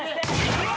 うわ！